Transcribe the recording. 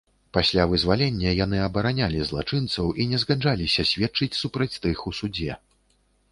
Пасля вызвалення яны абаранялі злачынцаў і не згаджаліся сведчыць супраць тых у судзе.